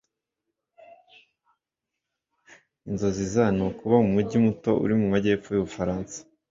Inzozi za ni ukuba mu mujyi muto uri mu majyepfo y'Ubufaransa.